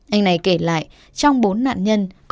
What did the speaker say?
anh này kể lại trong bốn nạn nhân